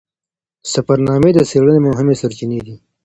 سفرنامې د څیړنې مهمې سرچینې دي.